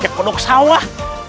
ya kau dok saw lah